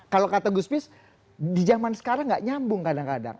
kalau kata gus fies di jaman sekarang tidak nyambung kadang kadang